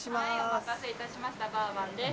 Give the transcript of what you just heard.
お待たせいたしました、バーワンです。